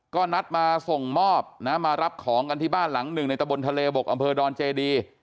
ก็นัดมาส่งมอบนะมารับของกันที่บ้านหลังหนึ่งในตะบนทะเลบกอำเภอดอนเจดี